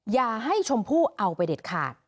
อย่าให้ชมพู่เอาไปเด็ดขาด